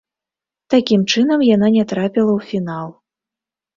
Такім чынам, яна не трапіла ў фінал.